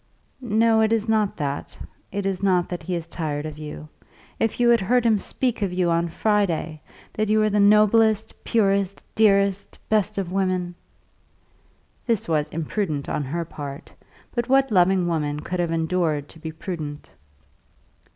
"No; it is not that. It is not that he is tired of you. If you had heard him speak of you on Friday, that you were the noblest, purest, dearest, best of women " This was imprudent on her part; but what loving woman could at such a moment have endured to be prudent?